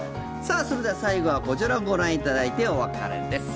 それでは最後はこちらをご覧いただいてお別れです。